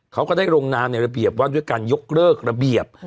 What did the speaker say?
เขาก็ได้ลงนามในระเบียบว่าด้วยการยกเลิกระเบียบ